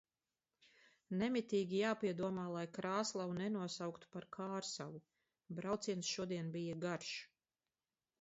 Nemitīgi jāpiedomā, lai Krāslavu nenosauktu par Kārsavu. Brauciens šodien bija garš.